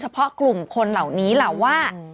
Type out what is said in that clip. เพราะกลุ่มคนเหล่านี้ล่ะว่า